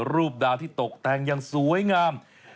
รูปดาวที่ตกแต่งอย่างสวยงาม